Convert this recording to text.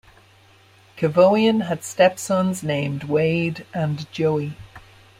Kevoian has stepsons named Wade and Joey.